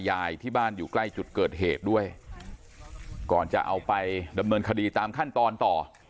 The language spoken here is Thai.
ยายที่บ้านอยู่ใกล้จุดเกิดเหตุด้วยก่อนจะเอาไปดำเนินคดีตามขั้นตอนต่อ